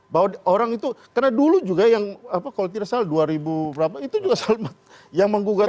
bahwa orang itu karena dulu juga yang kalau tidak salah dua ribu berapa itu juga selalu yang menggugat